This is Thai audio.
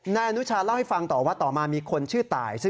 นายอนุชาเล่าให้ฟังต่อว่าต่อมามีคนชื่อตาย